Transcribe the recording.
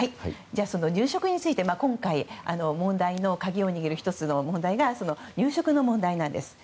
入植について今回鍵を握る１つの問題が入植の問題なんです。